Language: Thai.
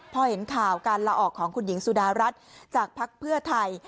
พอเห็นข่าวการลาออกของคุณหญิงสุดารัฐจากภักดิ์เพื่อไทย